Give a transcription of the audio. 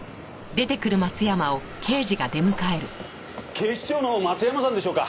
警視庁の松山さんでしょうか？